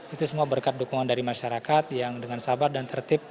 itu semua berkat dukungan dari masyarakat yang dengan sabar dan tertib